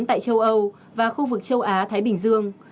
tại châu âu và khu vực châu á thái bình dương